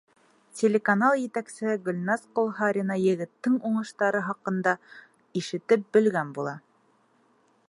Телеканал етәксеһе Гөлназ Ҡолһарина егеттең уңыштары хаҡында ишетеп белгән була.